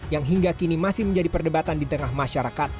yang hingga kini masih menjadi perdebatan di tengah masyarakat